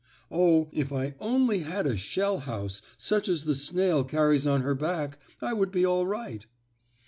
Oh, if I only had a shell house such as the snail carries on her back, I would be all right."